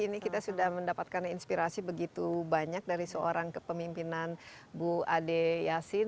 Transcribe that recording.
ini kita sudah mendapatkan inspirasi begitu banyak dari seorang kepemimpinan bu ade yasin